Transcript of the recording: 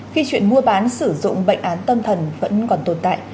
khi chuyện mua bán sử dụng bệnh án tâm thần vẫn còn tồn tại